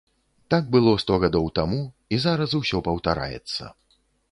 Так было сто гадоў таму, і зараз усё паўтараецца.